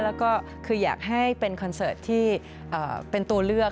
แล้วก็คืออยากให้เป็นคอนเสิร์ตที่เป็นตัวเลือก